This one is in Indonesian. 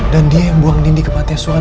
dan dia yang buang dinding kemah tesuan